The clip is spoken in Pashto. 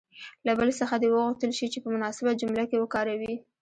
له بل څخه دې وغوښتل شي چې په مناسبه جمله کې وکاروي.